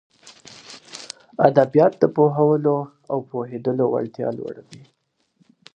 ادبيات د پوهولو او پوهېدلو وړتياوې لوړوي.